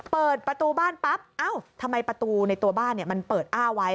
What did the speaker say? เปิดประตูบ้านปั๊บเอ้าทำไมประตูในตัวบ้านมันเปิดอ้าไว้